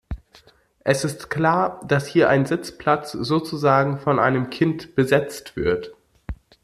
Es ist klar, dass hier ein Sitzplatz sozusagen von einem Kind besetzt wird.